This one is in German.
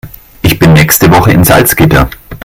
Ich bin nächste Woche in Salzgitter